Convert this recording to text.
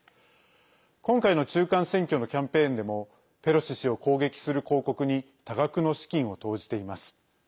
今回の中間選挙のキャンペーンでもペロシ氏を攻撃する広告に多額の資金を投じています。